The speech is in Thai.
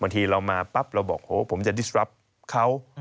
บางทีเรามาปั๊บเราบอกโอ้โฮผมจะธุรกิจเขา